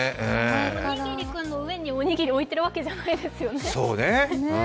おにぎりくんの上におにぎりを置いているわけではないですよね。